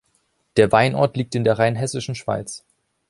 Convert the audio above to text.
Der Weinort liegt in der Rheinhessischen Schweiz.